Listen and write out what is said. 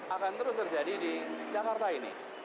akan terus terjadi di jakarta ini